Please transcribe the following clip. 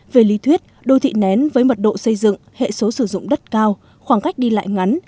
về lý thuyết đô thị nén với mật độ xây dựng hệ số sử dụng đất cao khoảng cách đi lại ngắn